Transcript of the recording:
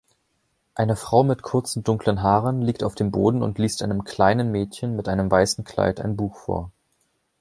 Eine Frau mit kurzen dunklen Haaren liegt auf dem Boden und liest einem kleinen Mädchen mit einem weißen Kleid ein Buch vor